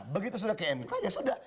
begitu sudah kmk ya sudah